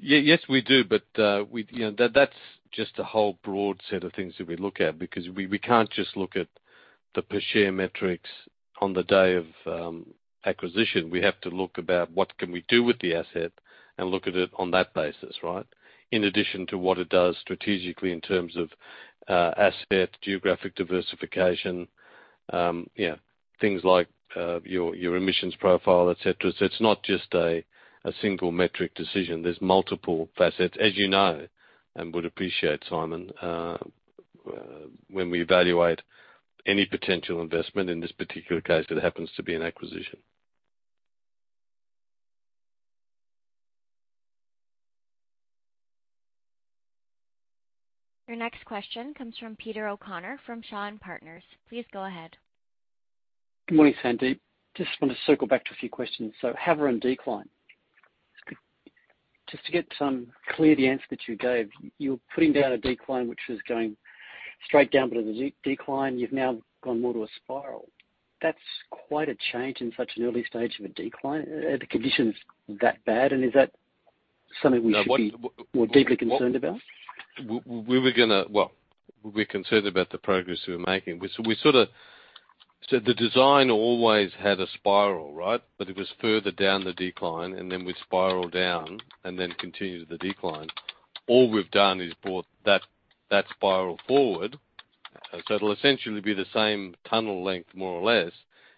Yeah. Yes, we do. We, you know, that's just a whole broad set of things that we look at because we can't just look at the per share metrics on the day of acquisition. We have to look about what can we do with the asset and look at it on that basis, right? In addition to what it does strategically in terms of asset geographic diversification, you know, things like your emissions profile, et cetera. So it's not just a single metric decision. There's multiple facets, as you know, and would appreciate, Simon, when we evaluate any potential investment. In this particular case, it happens to be an acquisition. Your next question comes from Peter O'Connor from Shaw and Partners. Please go ahead. Good morning, Sandeep. Just want to circle back to a few questions. Havieron decline. Just to get some clarity on the answer that you gave, you're putting down a decline, which is going straight down to the decline. You've now gone more to a spiral. That's quite a change in such an early stage of a decline. Are the conditions that bad? And is that something we should be more deeply concerned about? Well, we're concerned about the progress we were making. We sort of said the design always had a spiral, right? But it was further down the decline, and then we spiral down and then continue the decline. All we've done is brought that spiral forward. So it'll essentially be the same tunnel length more or less.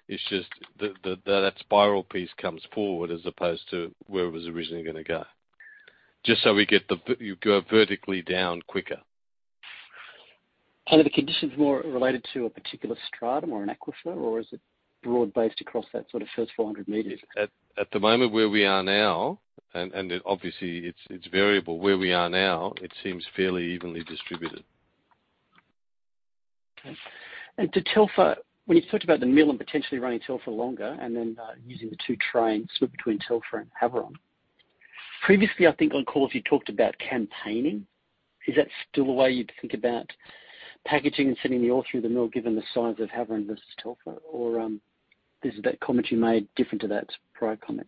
It's just that spiral piece comes forward as opposed to where it was originally gonna go. Just so we get you go vertically down quicker. Are the conditions more related to a particular stratum or an aquifer, or is it broad-based across that sort of first 400 meters? At the moment where we are now, and obviously it's variable. Where we are now, it seems fairly evenly distributed. Okay. To Telfer, when you talked about the mill and potentially running Telfer longer and then using the two trains, switch between Telfer and Havieron. Previously, I think on calls, you talked about campaigning. Is that still the way you'd think about packaging and sending the ore through the mill, given the size of Havieron versus Telfer? Or, is that comment you made different to that prior comment?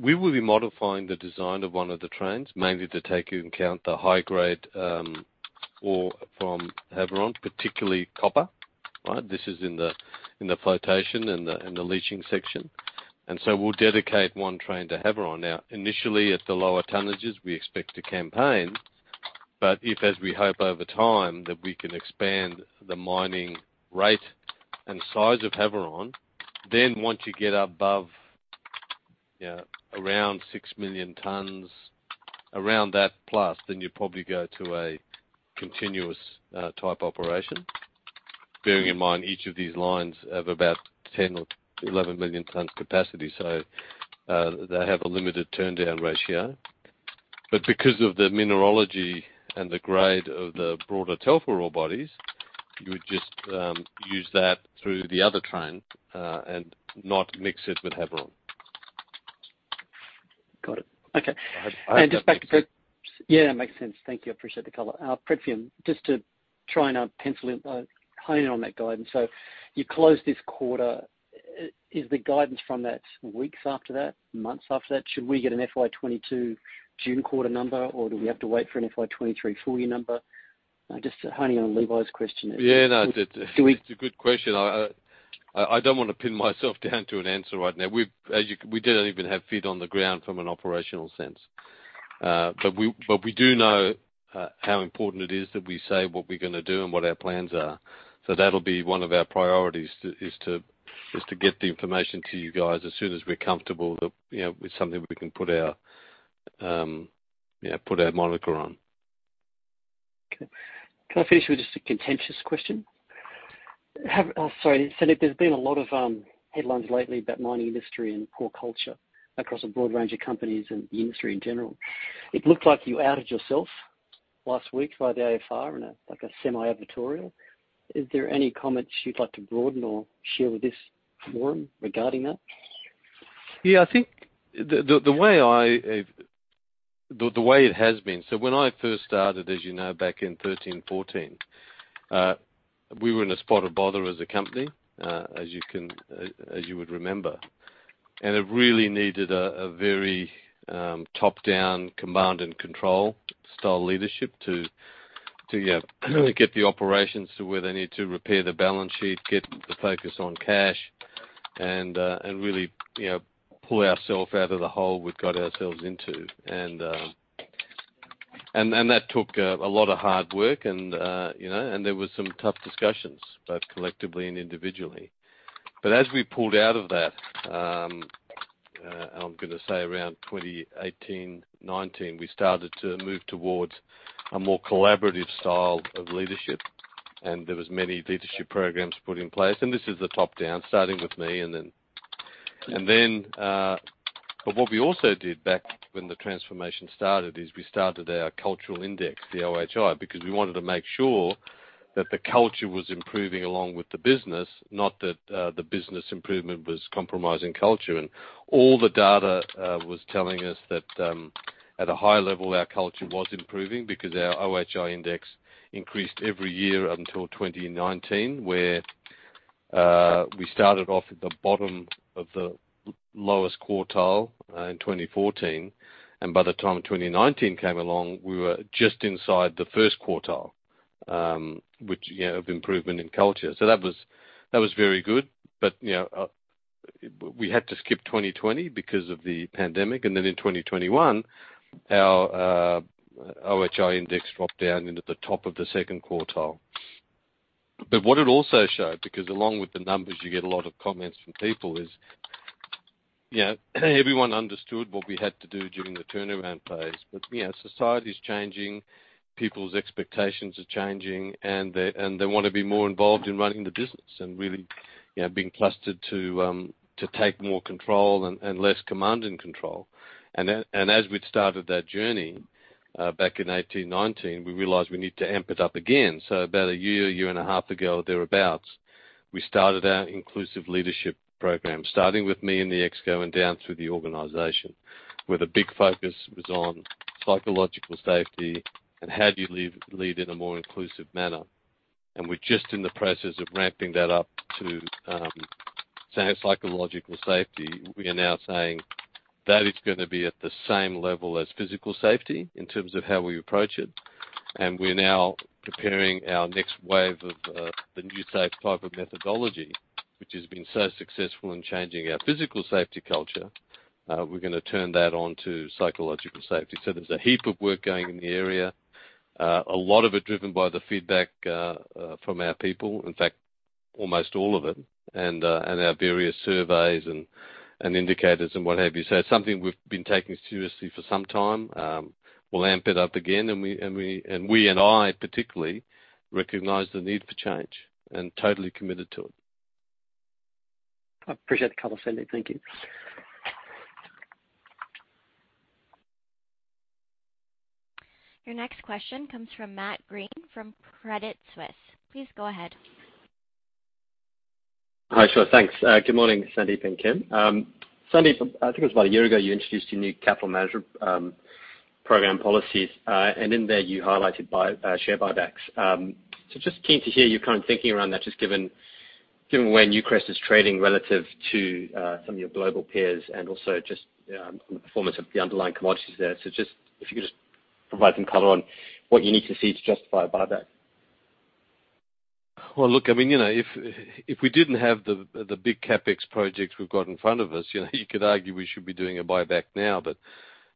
We will be modifying the design of one of the trains, mainly to take into account the high grade ore from Havieron, particularly copper. Right? This is in the flotation and the leaching section. We'll dedicate one train to Havieron. Now, initially, at the lower tonnages, we expect to campaign. If, as we hope over time, that we can expand the mining rate and size of Havieron, then once you get above around 6 million tons, around that plus, then you probably go to a continuous type operation. Bearing in mind, each of these lines have about 10 or 11 million tons capacity, so they have a limited turnaround ratio. Because of the mineralogy and the grade of the broader Telfer ore bodies, you would just use that through the other train and not mix it with Havieron. Got it. Okay. I hope that makes sense. Just back to Pretium. Yeah, it makes sense. Thank you. I appreciate the color. Pretium, just to try and pencil in, hone in on that guidance. So you closed this quarter. Is the guidance from that weeks after that? Months after that? Should we get an FY 2022 June quarter number, or do we have to wait for an FY 2023 full year number? Just to hone in on Levi's question. Yeah, no. It's a good question. I don't wanna pin myself down to an answer right now. We've, as you know, we don't even have feet on the ground from an operational sense. But we do know how important it is that we say what we're gonna do and what our plans are. That'll be one of our priorities, is to just get the information to you guys as soon as we're comfortable that, you know, it's something we can put our moniker on. Okay. Can I finish with just a contentious question? Oh, sorry. Sandeep, there's been a lot of headlines lately about mining industry and poor culture across a broad range of companies and the industry in general. It looked like you outed yourself last week by the AFR in a, like a semi-editorial. Is there any comments you'd like to broaden or share with this forum regarding that? Yeah, I think the way it has been, so when I first started, as you know, back in 2013, 2014, we were in a spot of bother as a company, as you would remember. It really needed a very top-down command and control style leadership to get the operations to where they need to repair the balance sheet, get the focus on cash and really, you know, pull ourselves out of the hole we've got ourselves into. That took a lot of hard work and, you know, there was some tough discussions, both collectively and individually. As we pulled out of that, I'm gonna say around 2018, 2019, we started to move towards a more collaborative style of leadership, and there was many leadership programs put in place. This is the top down, starting with me and then. What we also did back when the transformation started is we started our cultural index, the OHI, because we wanted to make sure that the culture was improving along with the business, not that, the business improvement was compromising culture. All the data was telling us that at a high level, our culture was improving because our OHI index increased every year until 2019, where we started off at the bottom of the lowest quartile in 2014. By the time 2019 came along, we were just inside the first quartile, which, you know, of improvement in culture. That was very good. You know, we had to skip 2020 because of the pandemic. Then in 2021, our OHI index dropped down into the top of the second quartile. What it also showed, because along with the numbers, you get a lot of comments from people is, you know, everyone understood what we had to do during the turnaround phase. You know, society's changing, people's expectations are changing, and they wanna be more involved in running the business and really, you know, being trusted to take more control and less command and control. As we'd started that journey back in 2018, 2019, we realized we need to amp it up again. About a year and a half ago or thereabouts, we started our inclusive leadership program, starting with me and the exco and down through the organization. The big focus was on psychological safety and how do you lead in a more inclusive manner. We're just in the process of ramping that up to saying psychological safety. We are now saying that is gonna be at the same level as physical safety in terms of how we approach it. We're now preparing our next wave of the NewSafe type of methodology, which has been so successful in changing our physical safety culture. We're gonna turn that on to psychological safety. There's a heap of work going in the area. A lot of it driven by the feedback from our people. In fact, almost all of it. Our various surveys and indicators and what have you. It's something we've been taking seriously for some time. We'll amp it up again. We and I particularly recognize the need for change and totally committed to it. I appreciate the call, Sandeep. Thank you. Your next question comes from Matt Greene from Credit Suisse. Please go ahead. Hi. Sure. Thanks. Good morning, Sandeep and Kim. Sandeep, I think it was about a year ago you introduced your new capital management program policies, and in there you highlighted share buybacks. Just keen to hear your current thinking around that, just given where Newcrest is trading relative to some of your global peers and also just on the performance of the underlying commodities there. If you could provide some color on what you need to see to justify a buyback. Well, look, I mean, you know, if we didn't have the big CapEx projects we've got in front of us, you know, you could argue we should be doing a buyback now.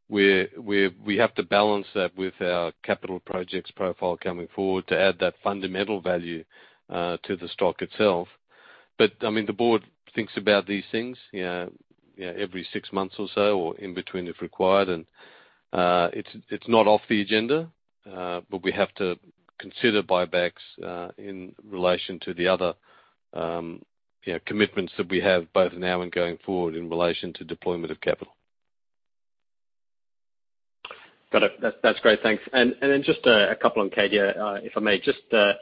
We have to balance that with our capital projects profile coming forward to add that fundamental value to the stock itself. I mean, the board thinks about these things, you know, every six months or so or in between if required. It's not off the agenda, but we have to consider buybacks in relation to the other commitments that we have both now and going forward in relation to deployment of capital. Got it. That's great. Thanks. Then just a couple on Cadia, if I may. Just the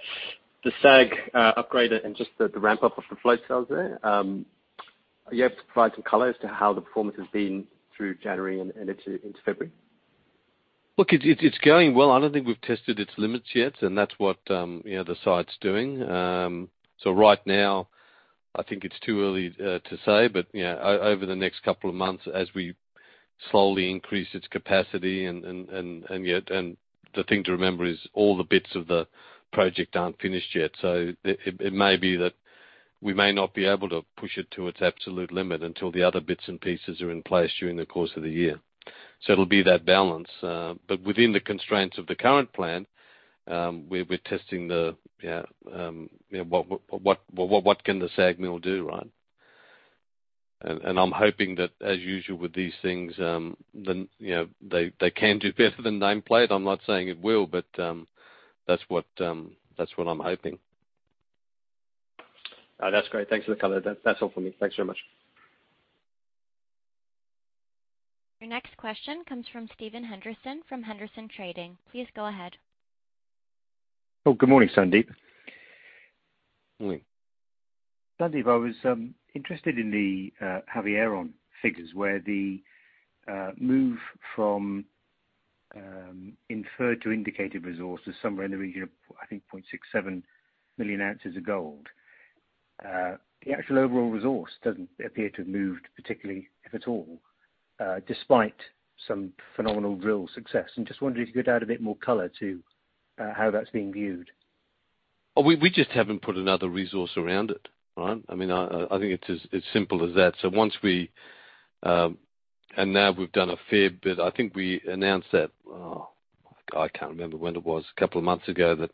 SAG upgrade and just the ramp-up of the float cells there. Are you able to provide some color as to how the performance has been through January and into February? Look, it's going well. I don't think we've tested its limits yet, and that's what, you know, the site's doing. Right now, I think it's too early to say. You know, over the next couple of months, as we slowly increase its capacity. The thing to remember is all the bits of the project aren't finished yet. It may be that we may not be able to push it to its absolute limit until the other bits and pieces are in place during the course of the year. It'll be that balance. Within the constraints of the current plan, we're testing, yeah, you know, what can the SAG mill do, right? I'm hoping that as usual with these things, you know, they can do better than nameplate. I'm not saying it will, but that's what I'm hoping. Oh, that's great. Thanks for the color. That's all for me. Thanks very much. Your next question comes from Steven Henderson from Henderson Trading. Please go ahead. Oh, good morning, Sandeep. Morning. Sandeep, I was interested in the Havieron figures, where the move from inferred to indicated resources somewhere in the region of, I think, 0.67 million ounces of gold. The actual overall resource doesn't appear to have moved, particularly if at all, despite some phenomenal drill success. Just wondered if you could add a bit more color to how that's being viewed. Oh, we just haven't put another resource around it, right? I mean, I think it is as simple as that. Now we've done a fair bit. I think we announced that, oh, I can't remember when it was, a couple of months ago, that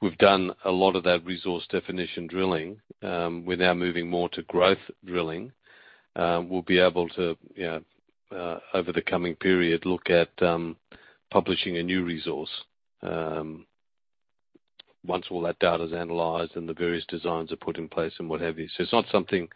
we've done a lot of that resource definition drilling. We're now moving more to growth drilling. We'll be able to, you know, over the coming period, look at publishing a new resource, once all that data is analyzed and the various designs are put in place and what have you. It's not something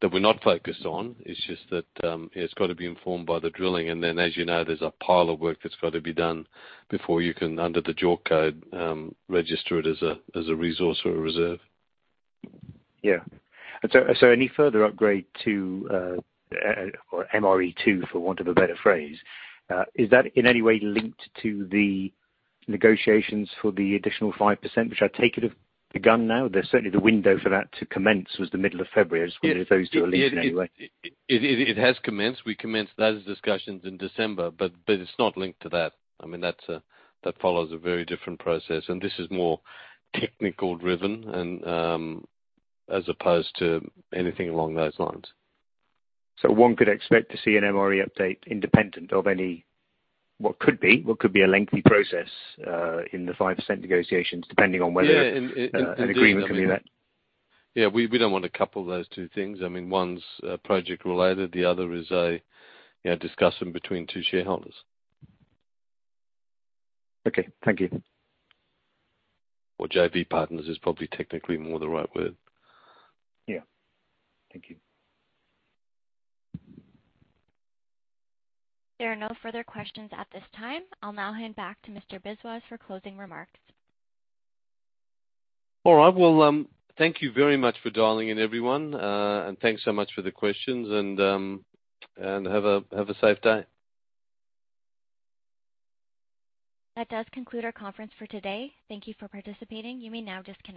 that we're not focused on, it's just that, it's gotta be informed by the drilling. As you know, there's a pile of work that's gotta be done before you can, under the JORC Code, register it as a resource or a reserve. Yeah. Any further upgrade to or MRE 2, for want of a better phrase, is that in any way linked to the negotiations for the additional 5%, which I take it have begun now. There's certainly the window for that to commence was the middle of February. I was wondering if those two are linked in any way. It has commenced. We commenced those discussions in December, but it's not linked to that. I mean, that follows a very different process, and this is more technically driven and, as opposed to anything along those lines. One could expect to see an MRE update independent of any what could be a lengthy process in the 5% negotiations, depending on whether an agreement can be met. Yeah. We don't wanna couple those two things. I mean, one's project related, the other is a, you know, discussion between two shareholders. Okay. Thank you. JV partners is probably technically more the right word. Yeah. Thank you. There are no further questions at this time. I'll now hand back to Mr. Biswas for closing remarks. All right. Well, thank you very much for dialing in, everyone. Thanks so much for the questions, and have a safe day. That does conclude our conference for today. Thank you for participating. You may now disconnect.